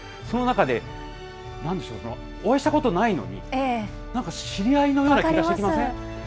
その中で、なんでしょう、この、お会いしたことないのに、なんか知り合いのような気がして分かります。